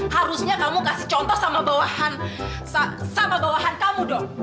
harusnya kamu kasih contoh sama bawahan sama bawahan kamu dong